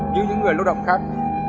như những người lâu động khác